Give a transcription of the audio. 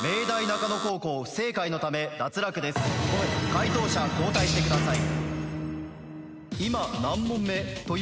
解答者交代してください。